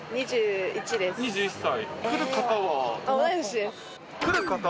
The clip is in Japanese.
２１歳。